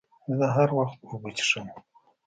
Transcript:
زه هر وخت اوبه څښم.